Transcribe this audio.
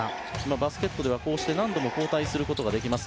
バスケットでは何度も交代することができます。